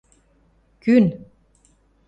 – Кӱн?